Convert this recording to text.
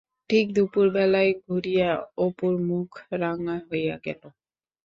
ঠিক-দুপুর বেলায় ঘুরিয়া অপুর মুখ রাঙা হইয়া গেল।